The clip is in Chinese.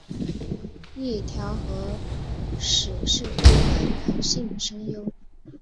一条和矢是日本男性声优。